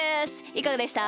いかがでした？